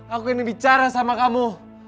aku ini bicara sama kamu